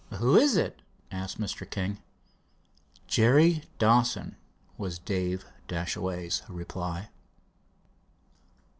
"Who was it?" asked Mr. King. "Jerry Dawson," was Dave Dashaway's reply.